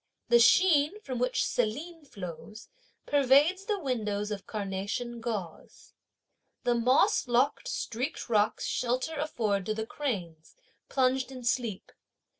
The sheen, which from Selene flows, pervades the windows of carnation gauze. The moss locked, streaked rocks shelter afford to the cranes, plunged in sleep.